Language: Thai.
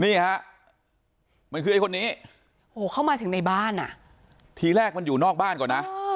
นี่ฮะมันคือไอ้คนนี้โหเข้ามาถึงในบ้านอ่ะทีแรกมันอยู่นอกบ้านก่อนนะ